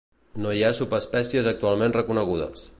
No hi ha subespècies actualment reconegudes.